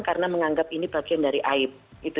karena menganggap ini bagian dari aib